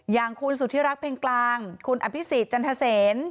อย่างคุณสุธิรักเพลงกลางคุณอภิษฎจันทเซน